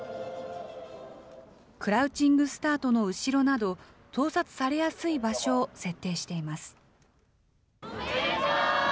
クラウチングスタートの後ろなど、盗撮されやすい場所を設定しています。